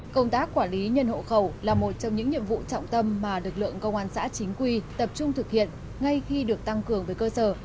công tác quản lý nhân hộ khẩu là một trong những nhiệm vụ trọng tâm mà lực lượng công an xã chính quy tập trung thực hiện ngay khi được tăng cường về cơ sở